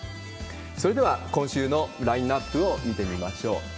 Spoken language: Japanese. それでは、今週のラインナップを見てみましょう。